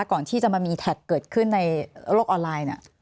ก่อนที่จะมามีแท็กเกิดขึ้นในโลกออนไลน์เนี่ย